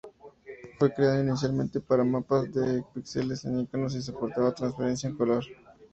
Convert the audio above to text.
Fue creado inicialmente para mapas de pixeles en iconos, y soportaba transparencia en color.